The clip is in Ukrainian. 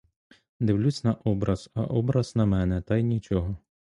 Дивлюсь на образ, а образ на мене, та й нічого.